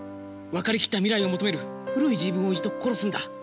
分かりきった未来を求める古い自分を一度殺すんだ。